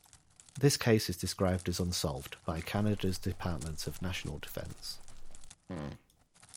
This case is described as "unsolved" by Canada's Department of National Defence.